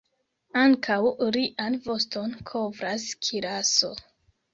Ankaŭ ilian voston kovras kiraso.